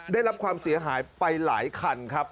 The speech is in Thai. ได้รับความเสียหายไปหลายคันครับ